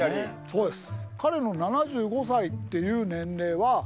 そうです。